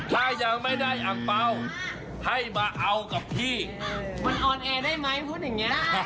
เฮ่ยเดี๋ยวเราจะได้ซองแดงเหรอ